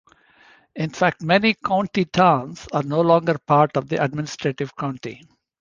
In fact, many county towns are no longer part of the administrative county.